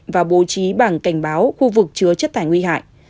và bố trí bảng cảnh báo khu vực chứa chất thải nguy hại